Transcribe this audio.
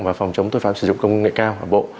và phòng chống tội phạm sử dụng công nghệ cao bộ